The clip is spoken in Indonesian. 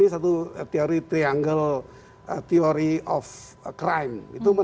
tapi ada satu yang